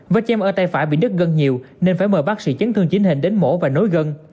với cham ở tay phải bị đứt gân nhiều nên phải mời bác sĩ chấn thương chính hình đến mổ và nối gân